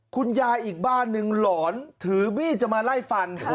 คุณยายอีกบ้านหนึ่งหลอนถือมีดจะมาไล่ฟัน